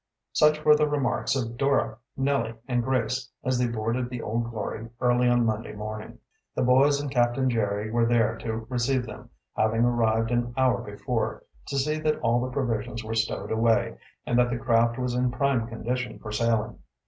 Such were the remarks of Dora, Nellie, and Grace as they boarded the Old Glory early on Monday morning. The boys and Captain Jerry were there to receive them, having arrived an hour before, to see that all the provisions were stowed away, and that the craft was in prime condition for sailing.